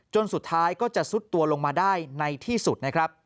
จนสุดท้ายก็จะสุดตัวลงมาได้ในที่สุด